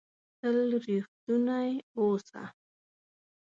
تل ریښتونی اووسه!